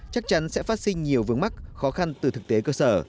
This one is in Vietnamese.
chắc chắn sẽ phát sinh nhiều vướng mắc khó khăn từ thực tế cơ sở